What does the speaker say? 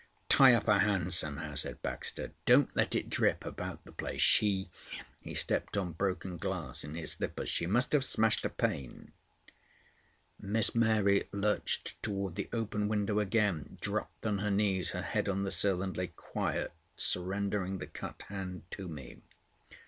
"Tie up her hand somehow," said Baxter. "Don't let it drip about the place. She"—he stepped on broken glass in his slippers, "she must have smashed a pane." Miss Mary lurched towards the open window again, dropped on her knees, her head on the sill, and lay quiet, surrendering the cut hand to me.